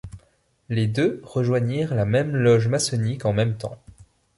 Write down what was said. Les deux rejoignirent la même loge maçonnique en même temps.